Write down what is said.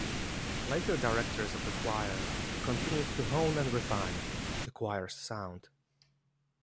Later directors of the choir continued to hone and refine the choir's sound.